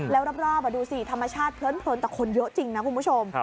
แล้วรอบดูสิธรรมชาติเพลินแต่คนเยอะจริงนะคุณผู้ชม